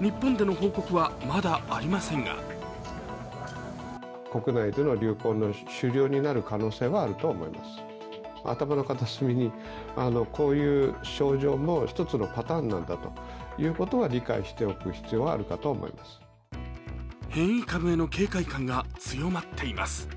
日本での報告はまだありませんが変異株への警戒感が強まっています。